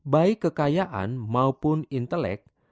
baik kekayaan maupun intelek